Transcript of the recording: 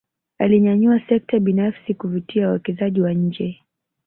Alinyanyua sekta binafsi kuvutia wawekezaji wa nje